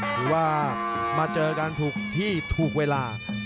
หรือว่ามาเจอกันทุกที่ทุกเวลา